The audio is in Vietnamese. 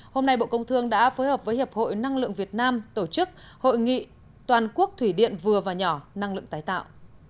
hôm nay bộ công thương đã phối hợp với hiệp hội năng lượng việt nam tổ chức hội nghị toàn quốc thủy điện vừa và nhỏ năng lượng tái tạo